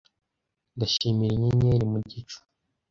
ndashimira inyenyeri mu gicu